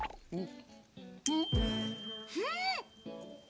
うん！